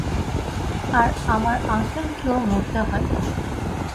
আর আমার আঙ্কেলকেও মরতে হয়নি।